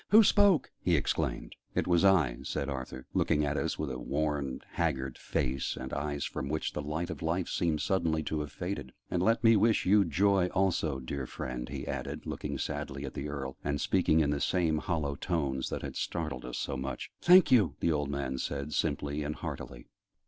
"Who spoke?" he exclaimed. "It was I," said Arthur, looking at us with a worn, haggard face, and eyes from which the light of life seemed suddenly to have faded. "And let me wish you joy also, dear friend," he added, looking sadly at the Earl, and speaking in the same hollow tones that had startled us so much. "Thank you," the old man said, simply and heartily.